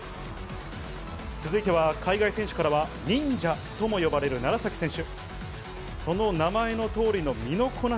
続いては海外選手からはニンジャとも呼ばれる楢崎選手。